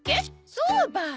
そうばい！